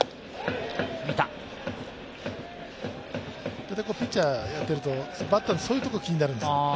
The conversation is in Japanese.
大体ピッチャーやってると、バッターのそういうところが気になるんです。